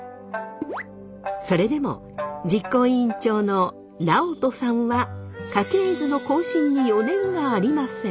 それでも実行委員長の尚人さんは家系図の更新に余念がありません。